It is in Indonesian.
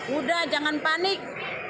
udah jangan panik